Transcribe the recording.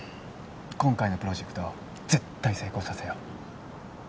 今回のプロジェクト絶対成功させよう